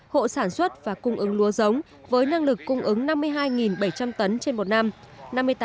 hộ sản xuất và cung ứng lúa giống với năng lực cung ứng năm mươi hai bảy trăm linh tấn trên một năm